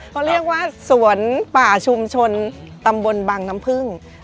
เขาเรียกว่าสวนป่าชุมชนตำบลบังน้ำพึ่ง